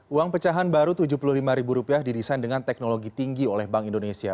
uang pecahan baru rp tujuh puluh lima didesain dengan teknologi tinggi oleh bank indonesia